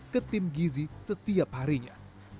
ke tim gizi setiap harinya